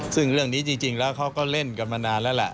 ซึ่งเรื่องนี้จริงแล้วเขาก็เล่นกันมานานแล้วแหละ